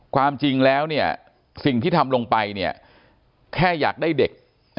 ความจริงแล้วสิ่งที่ทำลงไปแค่อยากได้เด็ก